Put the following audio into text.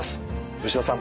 吉田さん